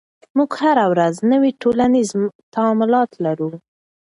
موږ هره ورځ نوي ټولنیز تعاملات لرو.